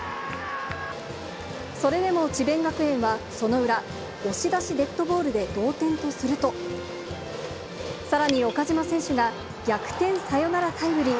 それでも智辯学園はその裏、押し出しデッドボールで同点とすると、さらに岡島選手が逆転サヨナラタイムリー。